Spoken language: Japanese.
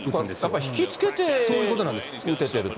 やっぱり引き付けて打ててると。